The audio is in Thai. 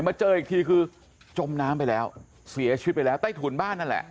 มาเจออีกทีคือจมน้ำไปแล้วเสียชีวิตไปแล้วใต้ถุนบ้านนั่นแหละ